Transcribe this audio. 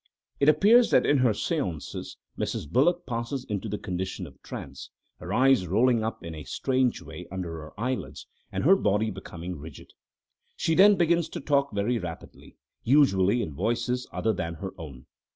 It appears that in her seances, Mrs. Bullock passes into a condition of trance, her eyes rolling up in a strange way under her eyelids, and her body becoming rigid. She then begins to talk very rapidly, usually in voices other than her own.